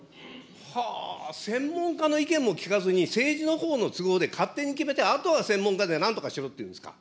はあー、専門家の意見も聞かずに、政治のほうの都合で勝手に決めて、あとは専門家で、なんとかしろって言うんですか。